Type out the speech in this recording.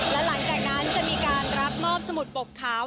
และหลังจากนั้นจะมีการรับมอบสมุดปกขาว